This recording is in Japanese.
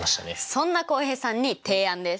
そんな浩平さんに提案です。